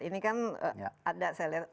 ini kan ada saya lihat